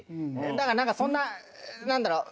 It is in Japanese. だからそんな何だろう。